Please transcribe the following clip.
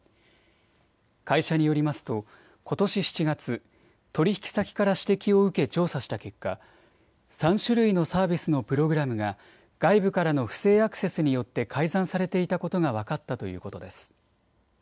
会社によりますとことし７月、取引先から指摘を受け調査した結果、３種類のサービスのプログラムが外部からの不正アクセスによって改ざんされていたことが分かったということです。